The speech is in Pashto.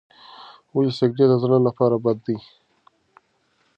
ولې سګریټ د زړه لپاره بد دی؟